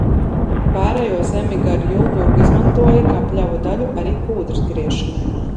Pārējo zemi gar Juldurgu izmantoja kā pļavu daļu arī kūdras griešanai.